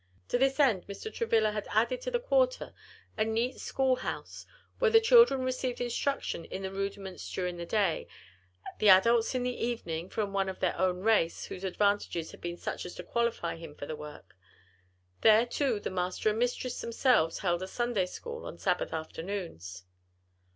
To this end Mr. Travilla had added to the quarter a neat school house, where the children received instruction in the rudiments during the day, the adults in the evening, from one of their own race whose advantages had been such as to qualify him for the work. There, too, the master and mistress themselves held a Sunday school on Sabbath afternoons.